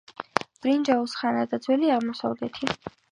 ბრინჯაოს ხანა და ძველი აღმოსავლეთი